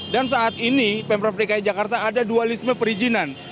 dan saat ini pemprov dki jakarta ada dualisme perizinan